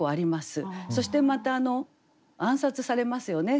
そしてまた暗殺されますよね。